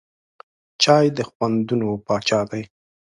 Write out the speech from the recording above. چای د خوندونو پاچا دی.